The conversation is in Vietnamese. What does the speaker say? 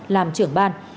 làm trưởng ban